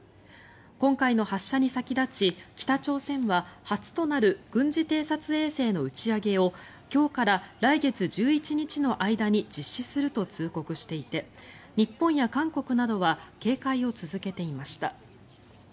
今回の発射に先立ち北朝鮮は初となる軍事偵察衛星の打ち上げを今日から来月１１日の間に実施すると通告していて日本や韓国などは警戒を続けていました。